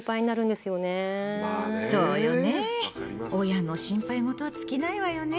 親の心配ごとは尽きないわよね。